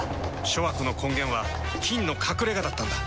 諸悪の根源は「菌の隠れ家」だったんだ。